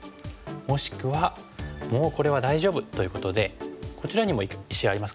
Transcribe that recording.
もしくはもうこれは大丈夫ということでこちらにも石ありますからね。